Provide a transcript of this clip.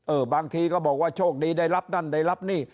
บางทีก็บอกว่าโชคดีได้รับนั่นได้รับนี่